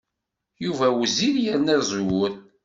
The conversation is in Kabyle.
Yuba wezzil yerna zur.